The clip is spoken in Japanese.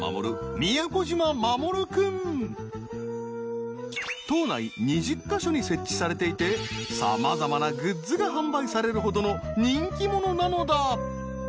宮古島まもる君島内２０か所に設置されていてさまざまなグッズが販売されるほどの人気者なのだ